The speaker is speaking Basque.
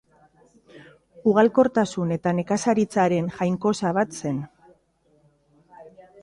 Ugalkortasun eta nekazaritzaren jainkosa bat zen.